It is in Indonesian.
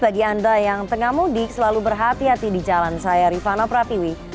bagi anda yang tengah mudik selalu berhati hati di jalan saya rifana pratiwi